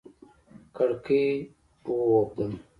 کړکۍ و اوبدم